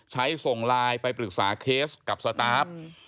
ส่งไลน์ไปปรึกษาเคสกับสตาร์ฟ